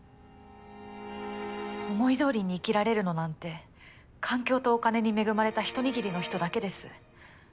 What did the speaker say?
思いどおりに生きられるのなんて環境とお金に恵まれた一握りの人だけです。